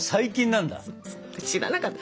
知らなかった。